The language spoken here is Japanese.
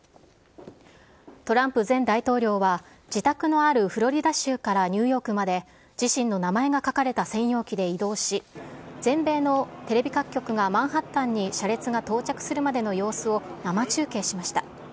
トランプ前大統領は、自宅のあるフロリダ州からニューヨークまで、自身の名前が書かれた専用機で移動し、全米のテレビ各局がマンハッタンに車列が到着するまでの様子を生中継しました。